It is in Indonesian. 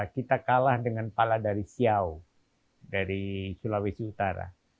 kita kalah dengan pala dari siau dari sulawesi utara